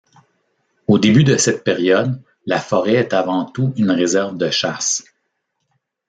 Au début de cette période, la forêt est avant tout une réserve de chasse.